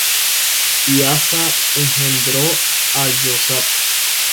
Y Asa engendró á Josaphat: